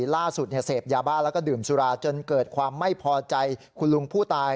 ล่าสุดเสพยาบ้าแล้วก็ดื่มสุราจนเกิดความไม่พอใจคุณลุงผู้ตาย